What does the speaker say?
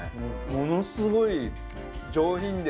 ものすごい。